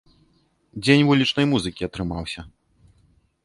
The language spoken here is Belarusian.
Дзень вулічнай музыкі атрымаўся.